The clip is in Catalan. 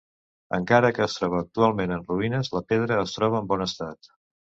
Encara que es troba actualment en ruïnes, la pedra es troba en bon estat.